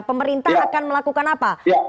pemerintah akan melakukan apa